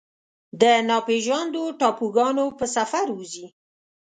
د ناپیژاندو ټاپوګانو په سفر وځي